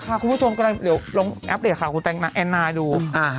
ใช่คุณผู้ชมก็เลยเดี๋ยวลงอัปเรทขอบใจแอนนายดู